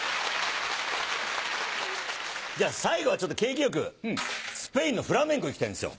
じゃ最後はちょっと景気良くスペインのフラメンコいきたいんですよ。